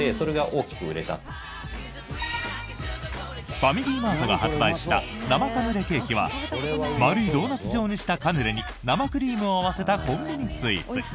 ファミリーマートが発売した生カヌレケーキは丸いドーナツ状にしたカヌレに生クリームを合わせたコンビニスイーツ。